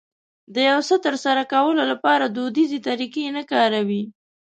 د يو څه ترسره کولو لپاره دوديزې طريقې نه کاروي.